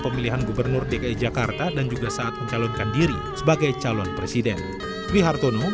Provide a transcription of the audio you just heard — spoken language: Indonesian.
pemilihan gubernur dki jakarta dan juga saat mencalonkan diri sebagai calon presiden dwi hartono